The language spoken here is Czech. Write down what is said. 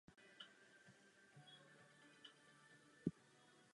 Koordinace systémů sociálního zabezpečení již existuje, to není nic nového.